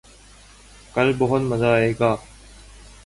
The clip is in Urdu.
کل بہت مزہ آئے گا